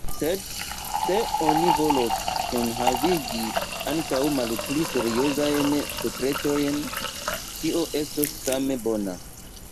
Sed se oni volos kunhavigi ankaŭ malpli seriozajn sekretojn, tio estos same bona.